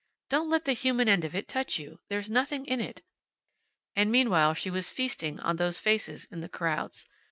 Don't let the human end of it touch you. There's nothing in it." And meanwhile she was feasting on those faces in the crowds.